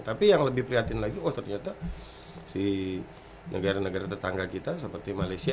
tapi yang lebih prihatin lagi oh ternyata si negara negara tetangga kita seperti malaysia